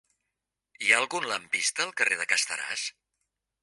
Hi ha algun lampista al carrer de Casteràs?